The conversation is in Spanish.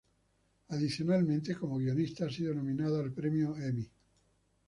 Adicionalmente, como guionista ha sido nominada al premio Emmy.